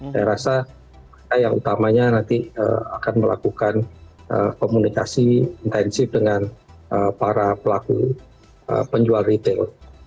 saya rasa yang utamanya nanti akan melakukan komunikasi intensif dengan para pelaku penjual retail